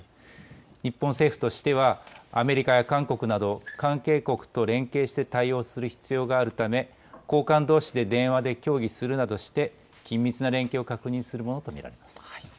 日本政府としてはアメリカや韓国など関係国と連携して対応する必要があるため高官どうしで電話で協議するなどして緊密な連携を確認するものと見られます。